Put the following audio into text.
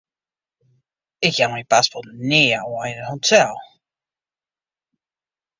Ik jou myn paspoart nea ôf yn in hotel.